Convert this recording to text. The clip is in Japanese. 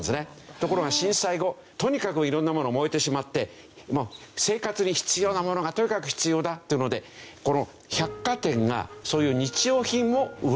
ところが震災後とにかくいろんなものが燃えてしまって生活に必要なものがとにかく必要だというのでこの百貨店がそういう日用品を売るようになったんですよ。